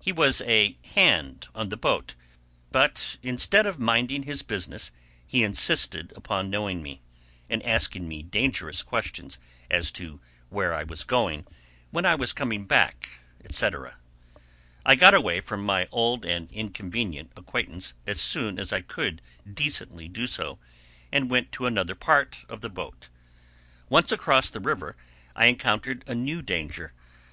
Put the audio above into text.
He was a "hand" on the boat, but, instead of minding his business, he insisted upon knowing me, and asking me dangerous questions as to where I was going, when I was coming back, etc. I got away from my old and inconvenient acquaintance as soon as I could decently do so, and went to another part of the boat. Once across the river, I encountered a new danger.